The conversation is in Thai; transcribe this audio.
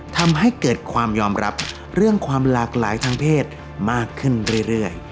ทำให้เกิดความยอมรับเรื่องความหลากหลายทางเพศมากขึ้นเรื่อย